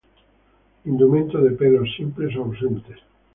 Indumento de pelos simples o ausentes.